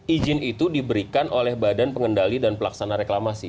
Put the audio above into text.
ijin itu diberikan oleh badan pengendali dan pelaksanaan reklamasi